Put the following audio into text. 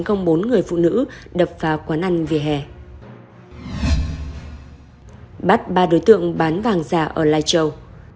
ba đối tượng bán vàng giả ở lai châu